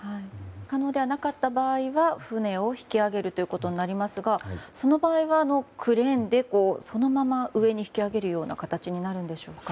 可能でなかった場合は船を引き揚げるということになりますがその場合は、クレーンでそのまま上に引き揚げるような形になるんでしょうか。